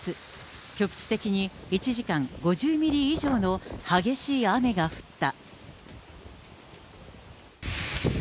局地的に１時間５０ミリ以上の激しい雨が降った。